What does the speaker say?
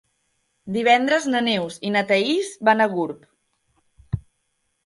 Divendres na Neus i na Thaís van a Gurb.